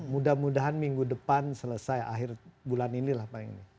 mudah mudahan minggu depan selesai akhir bulan inilah paling